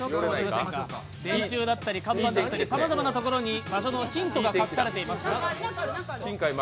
電柱だったり看板だったりさまざまなところにヒントが隠されています。